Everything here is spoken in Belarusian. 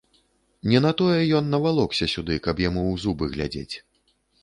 Не на тое ён навалокся сюды, каб яму ў зубы глядзець.